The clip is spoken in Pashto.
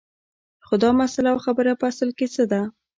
خو دا مسله او خبره په اصل کې څه ده